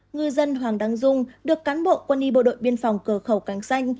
ngư dân hoàng đăng dung được cán bộ quân y bộ đội biên phòng cờ khẩu càng xanh